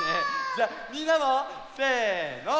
じゃあみんなも！せの！